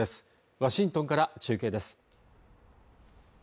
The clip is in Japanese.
ワシントンから中継です